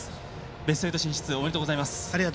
ベスト８進出おめでとうございます。